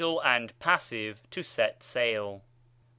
and pass., to set' sail.